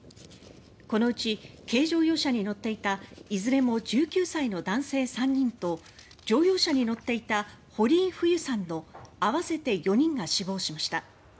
このうち軽乗用車に乗っていたいずれも１９歳の男性３人と乗用車に乗っていた堀井フユさんの合わせて４人が死亡しました。